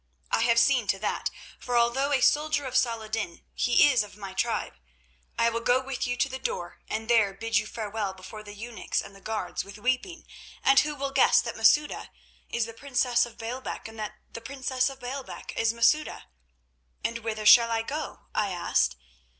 I have seen to that, for although a soldier of Salah ed din, he is of my tribe. I will go with you to the door, and there bid you farewell before the eunuchs and the guards with weeping, and who will guess that Masouda is the princess of Baalbec and that the princess of Baalbec is Masouda?' "'And whither shall I go?' I asked.